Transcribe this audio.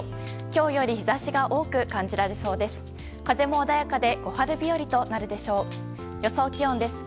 今日より日差しが多く感じられそうです。